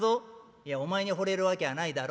「いやお前にほれるわけはないだろ？